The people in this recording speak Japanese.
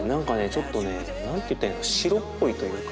ちょっとね何て言ったらいいんだ白っぽいというか。